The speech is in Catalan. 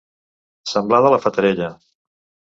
Semblar de la Fatarella.